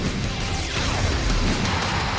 เยี่ยม